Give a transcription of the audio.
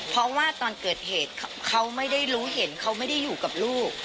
เพราะว่าตอนเกิดเหตุเขาไม่ได้รู้เห็นเขาไม่ได้อยู่กับลูก